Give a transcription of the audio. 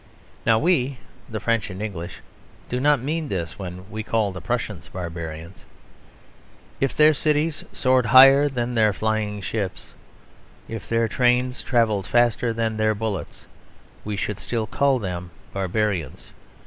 Now we, the French and English, do not mean this when we call the Prussians barbarians. If their cities soared higher than their flying ships, if their trains travelled faster than their bullets, we should still call them barbarians.